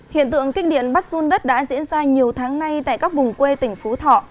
hiện tượng kích điện bắt run đất đã diễn ra nhiều tháng nay tại các vùng quê tỉnh phú thọ